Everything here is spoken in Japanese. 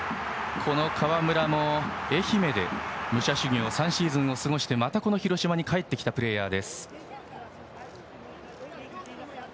川村も愛媛で武者修行３シーズンを過ごしてまた広島に帰ってきたプレーヤー。